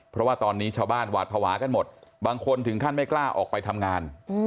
เพราะว่าตอนนี้ชาวบ้านหวาดภาวะกันหมดบางคนถึงขั้นไม่กล้าออกไปทำงาน